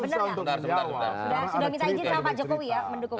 sudah minta izin sama pak jokowi ya mendukung